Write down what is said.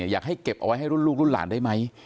อยากให้เก็บเอาไว้ให้ลูกลูกหลานได้ไหม